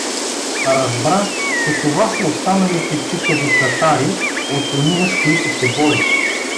Разбра, че това са останалите читави татари, от ония, с които се бори.